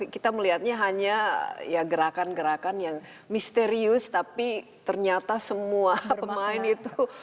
kita melihatnya hanya ya gerakan gerakan yang misterius tapi ternyata semua pemain itu